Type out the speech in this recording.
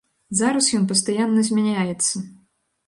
Зараз ён пастаянна змяняецца.